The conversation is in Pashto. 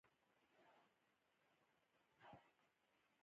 ښایسته ذهن او مثبت فکر انسان همداسي ښایسته کوي.